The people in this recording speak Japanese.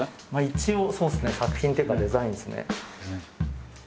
一応そうですね作品っていうかデザインですね。